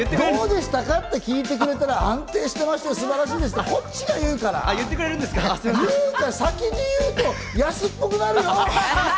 どうでしたか？って聞いてくれたら「安定してましたよ、素晴らし言ってくれるんですか、先に言うと安っぽくなるよ！